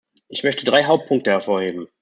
Ich möchte drei Hauptpunkte hervorheben.